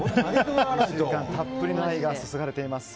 時間たっぷりの愛が注がれています。